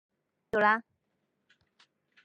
唔緊要啦